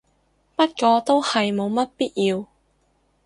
不過都係冇乜必要